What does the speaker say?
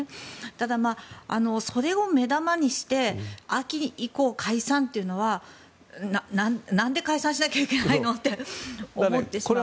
ただ、それを目玉にして秋以降に解散というのは何で解散しなきゃいけないのかと思ってしまうんですが。